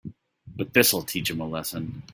But this'll teach them a lesson.